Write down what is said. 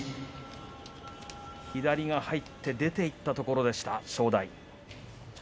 左が入って出ていったところでした。